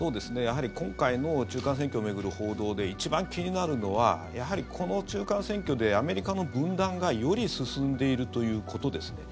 今回の中間選挙を巡る報道で一番気になるのはやはりこの中間選挙でアメリカの分断がより進んでいるということですね。